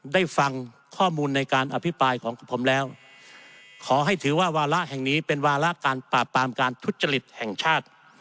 ได้ฟังข้อมูลในการอภิปรายของผมแล้วขอให้ถือว่าวาระแห่งนี้เป็นวาระการปราบปรามการทุจริตแห่งชาติ